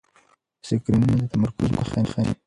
سکرینونه د تمرکز مخه نیسي.